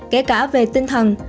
kể cả về tinh thần